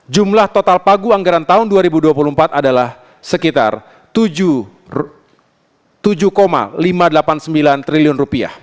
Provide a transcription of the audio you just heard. jumlah total pagu anggaran tahun dua ribu dua puluh empat adalah sekitar rp tujuh lima ratus delapan puluh sembilan triliun